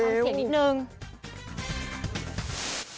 ฟังเสียงนิดนึง